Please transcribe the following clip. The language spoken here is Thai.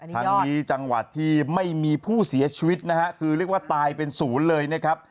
ทางนี้จังหวัดที่ไม่มีผู้เสียชีวิตนะฮะคือเรียกว่าตายเป็นศูนย์เลยนะครับ